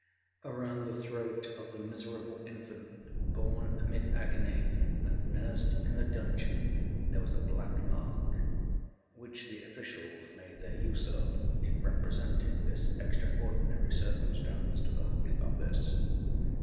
Around the throat of the miserable infant, born amid agony, and nursed in a dungeon, there was a black mark, which the officials made their use of in representing this extraordinary circumstance to the holy office.